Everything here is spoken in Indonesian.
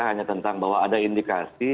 hanya tentang bahwa ada indikasi